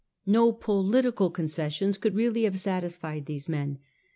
No political concessions could really have satisfied these men.